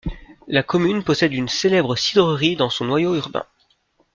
La commune possède une célèbre sidrerie dans son noyau urbain.